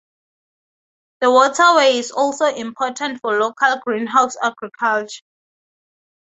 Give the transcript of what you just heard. The waterway is also important for local greenhouse agriculture.